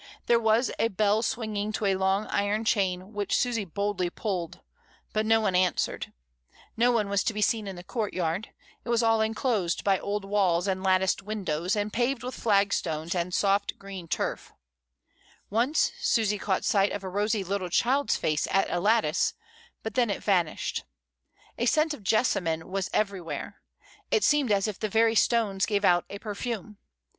There was a bell swinging to a long iron chain, which Susy boldly pulled, but no one an swered; no one was to be seen in the courtyard; it was all enclosed by old walls and latticed windows and paved with flagstones and soft green tiurf — once Susy caught sight of a rosy little child's face at a lattice, but then it vanished. A scent of jessa mine was everywhere; it seemed as if the very stones gave out a perfume.